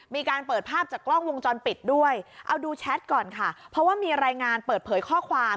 มีการเปิดภาพจากกล้องวงจรปิดด้วยเอาดูแชทก่อนค่ะเพราะว่ามีรายงานเปิดเผยข้อความ